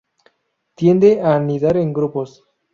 Tiende a anidar en grupos.